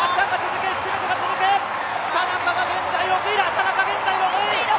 田中、現在６位。